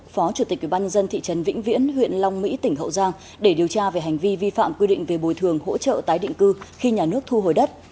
phó chủ tịch ubnd thị trấn vĩnh viễn huyện long mỹ tỉnh hậu giang để điều tra về hành vi vi phạm quy định về bồi thường hỗ trợ tái định cư khi nhà nước thu hồi đất